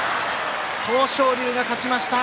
豊昇龍が勝ちました。